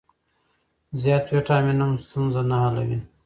زیات ویټامین هم ستونزه نه حلوي.